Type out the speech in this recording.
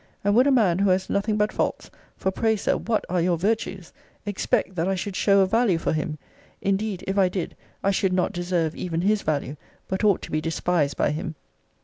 And would a man who has nothing but faults (for pray, Sir, what are your virtues?) expect that I should show a value for him? Indeed, if I did, I should not deserve even his value; but ought to be despised by him.